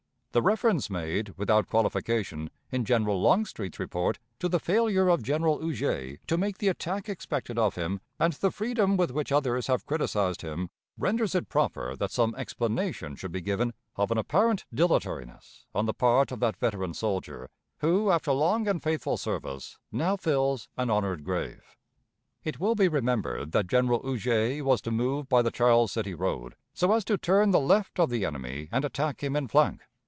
The reference, made, without qualification, in General Longstreet's report, to the failure of General Huger to make the attack expected of him, and the freedom with which others have criticised him, renders it proper that some explanation should be given of an apparent dilatoriness on the part of that veteran soldier, who, after long and faithful service, now fills an honored grave. It will be remembered that General Huger was to move by the Charles City road, so as to turn the left of the enemy and attack him in flank.